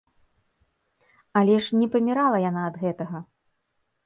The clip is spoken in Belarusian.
Але ж не памірала яна ад гэтага!